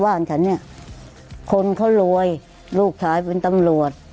บ้านฉันนี่คนเขารวยลูกฉายเป็นตำรวจ